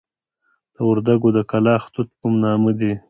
د وردکو د کلاخ توت په نامه دي.